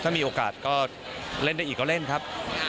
ถ้ามีโอกาสก็เล่นได้อีกก็เล่นครับ